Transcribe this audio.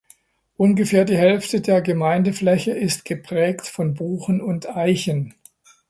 Ungefähr die Hälfte der Gemeindefläche ist geprägt von Buchen und Eichen.